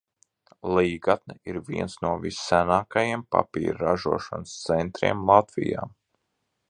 Līgatne ir viens no vissenākajiem papīra ražošanas centriem Latvijā.